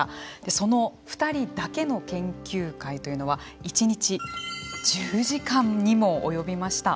その２人だけの研究会というのは１日１０時間にも及びました。